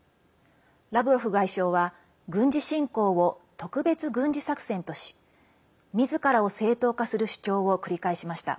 ラブロフ外相は軍事侵攻を特別軍事作戦としみずからを正当化する主張を繰り返しました。